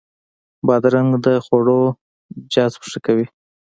بادرنګ د خوړو جذب ښه کوي.